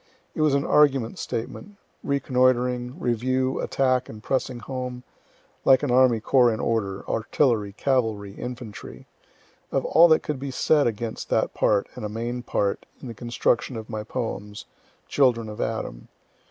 It was an argument statement, reconnoitring, review, attack, and pressing home, (like an army corps in order, artillery, cavalry, infantry,) of all that could be said against that part (and a main part) in the construction of my poems, "Children of Adam."